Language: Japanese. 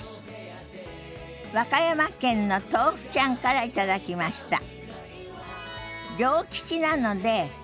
和歌山県のとうふちゃんから頂きました。